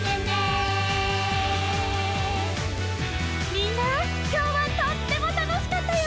みんなきょうはとってもたのしかったよ！